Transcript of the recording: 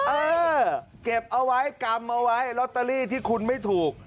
เออเก็บเอาไว้กำเอาไว้ลอตเตอรี่ที่คุณไม่ถูก